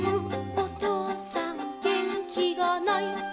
おとうさんげんきがない」